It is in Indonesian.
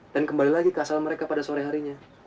dan kembali lagi ke asal mereka pada sore harinya